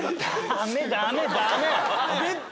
ダメダメダメ。